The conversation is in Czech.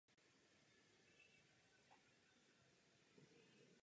V Evropě vznikala pracovní místa a byl zde i růst.